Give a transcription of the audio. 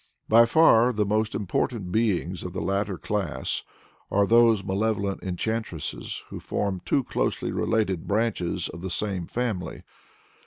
By far the most important beings of the latter class are those malevolent enchantresses who form two closely related branches of the same family.